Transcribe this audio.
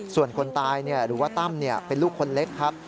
ส่วนคนตายเนี่ยหรือว่าต้ำเนี่ยเป็นลูกคนเล็กครับ